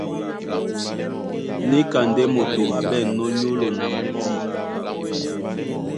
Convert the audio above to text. Níka ndé moto á ɓɛ̂nnɔ́ nyólo na mudî.